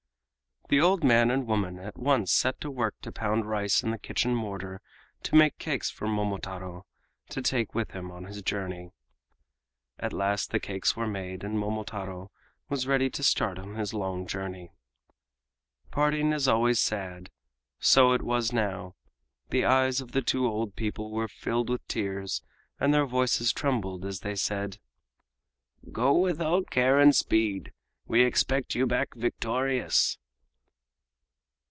The old man and woman at once set to work to pound rice in the kitchen mortar to make cakes for Momotaro to take with him on his journey. At last the cakes were made and Momotaro was ready to start on his long journey. Parting is always sad. So it was now. The eyes of the two old people were filled with tears and their voices trembled as they said: "Go with all care and speed. We expect you back victorious!"